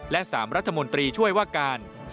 และ๓รัฐมนตรีช่วยว่าการ